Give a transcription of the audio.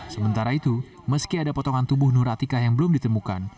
sementara itu meski ada potongan tubuh nuratika yang belum ditemukan